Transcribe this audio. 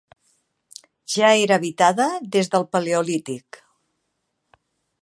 Ja era habitada des del paleolític.